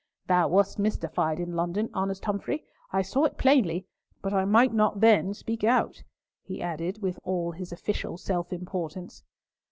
Thou wast mystified in London, honest Humfrey, I saw it plainly; but I might not then speak out," he added, with all his official self importance.